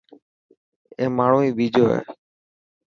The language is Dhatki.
اي ماڻهو هي ٻيجو هي.